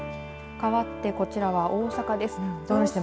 かわって、こちらは大阪です。